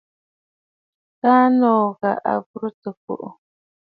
Kaa nòò ghà à burə tɨ̀ kùꞌù.